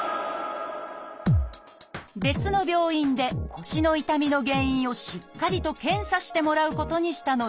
別の病院で腰の痛みの原因をしっかりと検査してもらうことにしたのです。